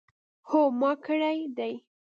هو ما کړی دی